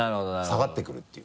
下がってくるっていう。